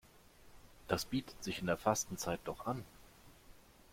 Das bietet sich in der Fastenzeit doch an.